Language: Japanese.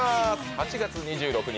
８月２６日